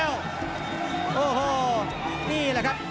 โอ้โหนี่แหละครับ